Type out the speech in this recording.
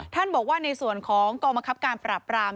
ท่านบอกว่าในส่วนของกองบังคับการปราบราม